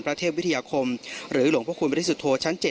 เทพวิทยาคมหรือหลวงพระคุณบริสุทธโธชั้น๗